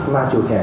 mà chủ thẻ